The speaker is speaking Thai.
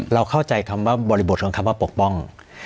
เราเข้าใจบริบทของคำว่าปกป้อง